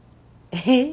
えっ。